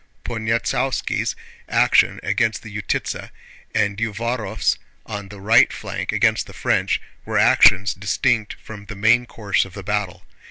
(Poniatowski's action against Utítsa, and Uvárov's on the right flank against the French, were actions distinct from the main course of the battle.)